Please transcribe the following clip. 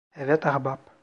Evet ahbap.